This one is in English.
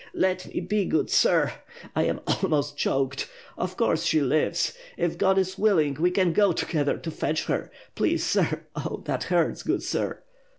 "Let me be, good sir ... I am almost choked. Of course she lives. If God is willing, we can go together to fetch her. Please sir, oh, that hurts good sir!"